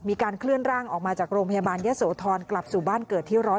มีการเคลื่อนร่างออกมาจากโรงพยาบาลยะโสธรกลับสู่บ้านเกิดที่๑๐